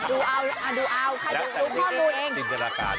ดูเอาดูพ่อพูดเอง